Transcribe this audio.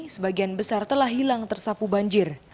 sebagian besar telah hilang tersapu banjir